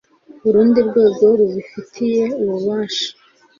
urundi rwego rubifitiye ububasha